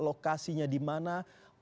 lokasinya di mana